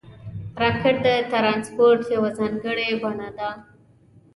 راکټ د ترانسپورټ یوه ځانګړې بڼه ده